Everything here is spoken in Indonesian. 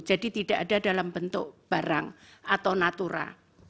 jadi tidak ada dalam bentuk barang atau natura